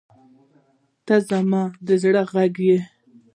• ته زما د زړه غږ یې.